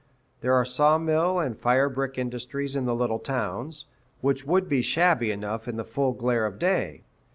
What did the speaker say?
There are saw mill and fire brick industries in the little towns, which would be shabby enough in the full glare of day.